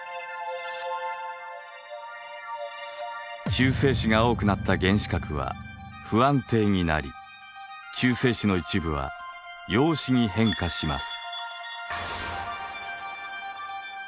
中性子が多くなった原子核は不安定になり中性子の一部は陽子に変化します。